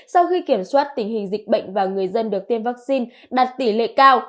sau khi kiểm soát tình hình dịch bệnh và người dân được tiêm vaccine đạt tỷ lệ cao